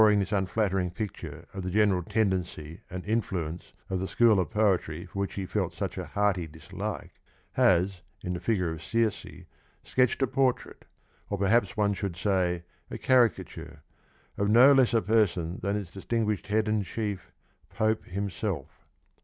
ing this unflattering picture of the general tendency and influence of the school of poetry for which he felt such a hearty dislike, has in the figure of Circe sketched a portrait — or perhaps one should say a caricature — of no less a person than its distinguished head and chief, Pope himself.